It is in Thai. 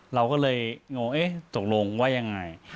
เราก็เลยงงตกลงว่ายังไง